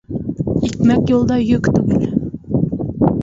Икмәк юлда йөк түгел.